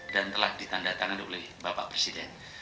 dan telah ditandatangan oleh bapak presiden